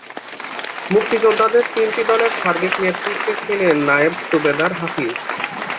মুক্তিযোদ্ধাদের তিনটি দলের সার্বিক নেতৃত্বে ছিলেন নায়েব সুবেদার হাফিজ।